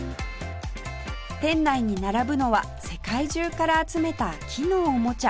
店内に並ぶのは世界中から集めた木のおもちゃ